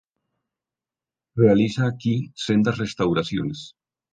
Realiza aquí sendas restauraciones.